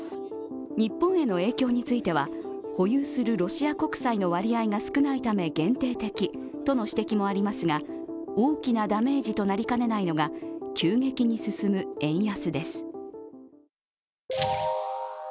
日本への影響については、保有するロシア国債の割合が少ないため限定的との指摘もありますが大きなダメージとなりかねないのが急激に進む円安です。